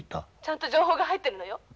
☎ちゃんと情報が入ってるのよ。